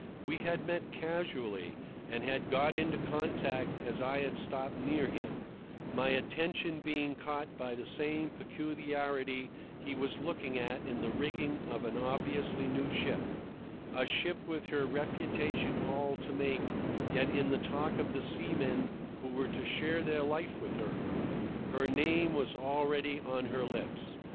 We had met casually, and had got into contact as I had stopped near him, my attention being caught by the same peculiarity he was looking at in the rigging of an obviously new ship, a ship with her reputation all to make yet in the talk of the seamen who were to share their life with her. Her name was already on their lips.